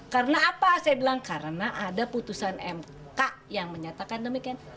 karena apa saya bilang karena ada putusan mk yang menyatakan demikian